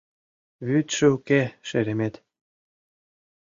Вӱдшӧ уке, шеремет.